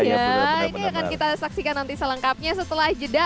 ya ini akan kita saksikan nanti selengkapnya setelah jeda